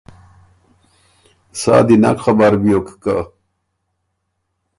سا دی نک خبر بیوک که